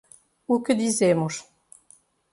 O que dizemos